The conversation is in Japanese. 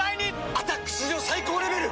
「アタック」史上最高レベル！